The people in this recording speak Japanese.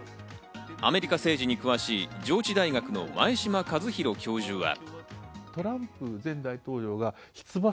アメリカ政治に詳しい上智大学の前嶋和弘教授は。